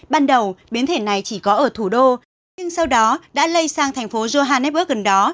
ban đầu biến thể này chỉ có ở thủ đô nhưng sau đó đã lây sang thành phố johannebburg gần đó